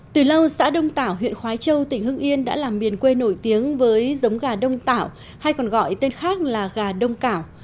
từ lâu xã đông tảo huyện khói châu tỉnh hưng yên đã làm miền quê nổi tiếng với giống gà đông tảo hay còn gọi tên khác là gà đông cảo